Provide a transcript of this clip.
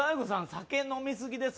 酒飲みすぎです